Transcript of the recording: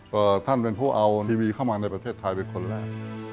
ก็ท่านเป็นผู้เอาทีวีเข้ามาในประเทศไทยเป็นคนแรก